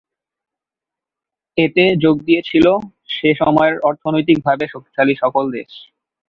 এতে যোগ দিয়েছিল সে সময়ের অর্থনৈতিকভাবে শক্তিশালী সকল দেশ।